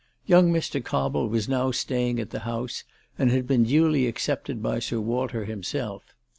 Young Mr. Cobble was now staying at the house, and had been duly accepted by Sir Walter him self.